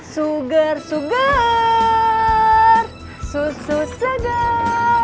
sugar sugar susu segar